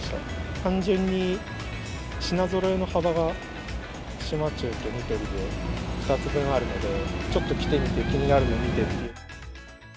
単純に品ぞろえの幅が、島忠とニトリで２つ分あるので、ちょっと来てみて気になるの見てって。